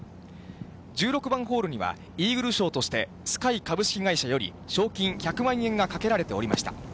１６番ホールには、イーグル賞として、Ｓｋｙ株式会社より、賞金１００万円がかけられておりました。